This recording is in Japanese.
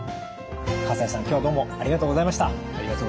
西さん今日はどうもありがとうございました。